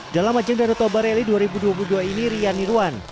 dalam ajang danau toba rally dua ribu dua puluh dua ini rian nirwan